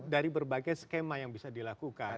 dari berbagai skema yang bisa dilakukan